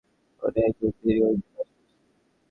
মনে হয় খুব ধীর গতিতে কাজ করছি।